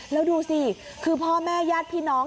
แล้วดูสิคือพ่อแม่ญาติพี่น้อง